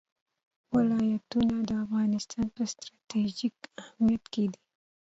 ولایتونه د افغانستان په ستراتیژیک اهمیت کې دي.